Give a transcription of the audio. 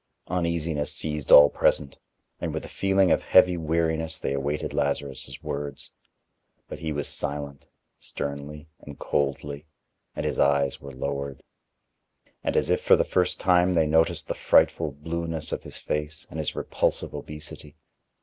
Uneasiness seized all present, and with a feeling of heavy weariness they awaited Lazarus' words, but he was silent, sternly and coldly, and his eyes were lowered. And as if for the first time, they noticed the frightful blueness of his face and his repulsive obesity.